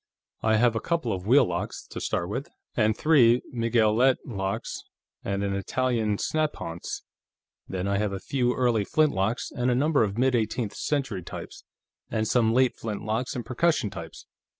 I have a couple of wheel locks, to start with, and three miguelet locks and an Italian snaphaunce. Then I have a few early flintlocks, and a number of mid eighteenth century types, and some late flintlocks and percussion types.